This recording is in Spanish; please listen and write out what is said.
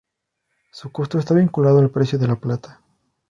Su costo está vinculado al precio de la plata.